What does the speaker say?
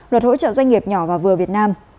luật hỗ trợ doanh nghiệp nhỏ và vừa việt nam